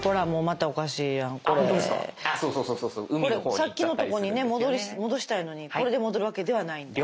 これさっきのとこに戻したいのにこれで戻るわけではないんだ。